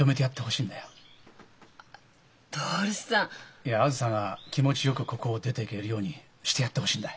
いやあづさが気持ちよくここを出ていけるようにしてやってほしいんだよ。